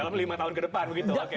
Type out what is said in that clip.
dalam lima tahun ke depan begitu oke